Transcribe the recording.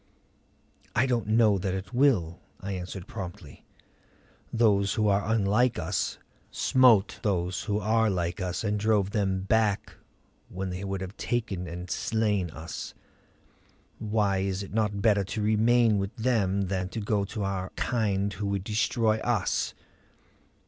"I don't know that it will," I answered promptly. "Those who are unlike us smote those who are like us and drove them back when they would have taken and slain us. Why is it not better to remain with them than to go to our kind who would destroy us?"